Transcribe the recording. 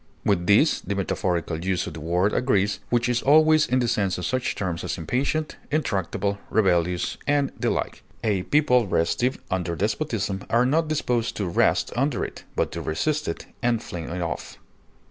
With this the metaphorical use of the word agrees, which is always in the sense of such terms as impatient, intractable, rebellious, and the like; a people restive under despotism are not disposed to "rest" under it, but to resist it and fling it off.